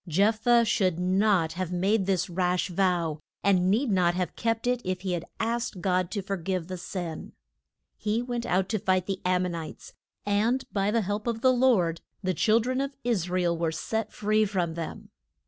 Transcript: Jeph thah should not have made this rash vow, and need not have kept it if he had asked God to for give the sin. He went out to fight the Am mon ites, and by the help of the Lord the chil dren of Is ra el were set free from them.